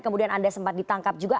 kemudian anda sempat ditangkap juga